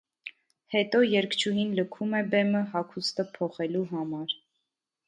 Հետո երգչուհին լքում է բեմը հագուստը փոխելու համար։